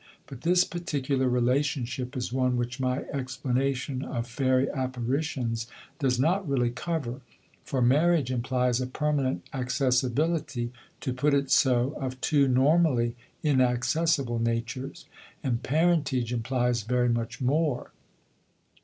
But this particular relationship is one which my explanation of fairy apparitions does not really cover: for marriage implies a permanent accessibility (to put it so) of two normally inaccessible natures; and parentage implies very much more.